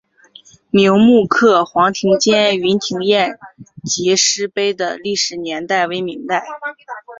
明摹刻黄庭坚云亭宴集诗碑的历史年代为明代。